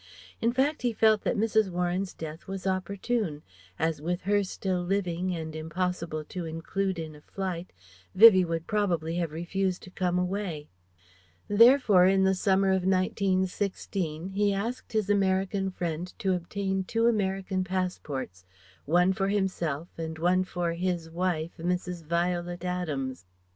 In fact he felt that Mrs. Warren's death was opportune, as with her still living and impossible to include in a flight, Vivie would probably have refused to come away. Therefore in the summer of 1916, he asked his American friend to obtain two American passports, one for himself and one for "his wife, Mrs. Violet Adams." Mr.